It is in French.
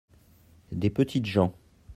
des petites gens.